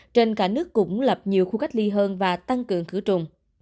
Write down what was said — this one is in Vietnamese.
trên cả nước cũng lập nhiều khu cách ly hơn và tăng cường khử trùng